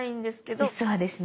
実はですね